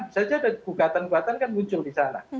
bisa jadi ada bukatan buatan kan muncul di sana